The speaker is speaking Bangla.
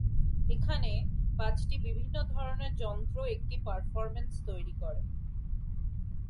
এখানে, পাঁচটি বিভিন্ন ধরনের যন্ত্র একটি পারফরম্যান্স তৈরি করে।